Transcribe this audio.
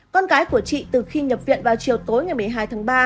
con gái của chị từ khi nhập viện vào chiều tối ngày một mươi hai tháng ba